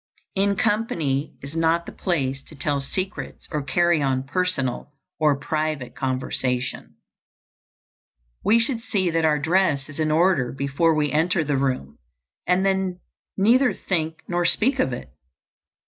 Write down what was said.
In company is not the place to tell secrets or carry on personal or private conversation. We should see that our dress is in order before we enter the room, and then neither think nor speak of it.